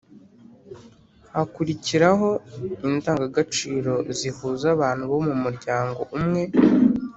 hakurikiraho indangagaciro zihuza abantu bo mu muryango umwe,